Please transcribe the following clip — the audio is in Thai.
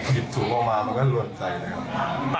หยิบถุงออกมามันก็หล่นใจเลยครับ